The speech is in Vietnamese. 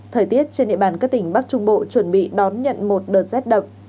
thời tiết trên địa bàn các tỉnh bắc trung bộ chuẩn bị đón nhận một đợt rét đậm